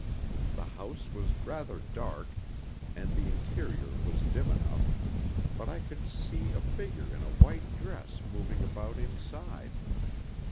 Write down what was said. The house was rather dark, and the interior was dim enough, but I could see a figure in a white dress moving about inside.